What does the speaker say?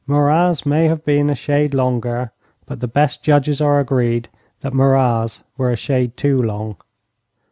Murat's may have been a shade longer, but the best judges are agreed that Murat's were a shade too long.